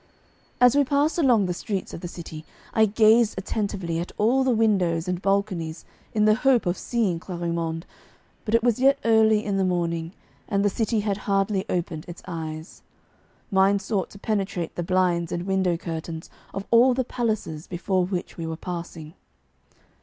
As we passed along the streets of the city, I gazed attentively at all the windows and balconies in the hope of seeing Clarimonde, but it was yet early in the morning, and the city had hardly opened its eyes. Mine sought to penetrate the blinds and window curtains of all the palaces before which we were passing.